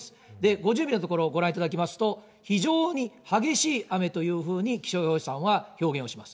５０ミリのところご覧いただきますと、非常に激しい雨というふうに、気象予報士さんは表現をします。